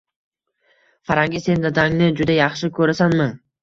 Farangiz, sen dadangni juda yaxshi ko`rasanmi